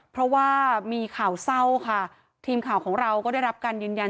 เพราะว่ามีข่าวเศร้าค่ะทีมข่าวของเราก็ได้รับการยืนยัน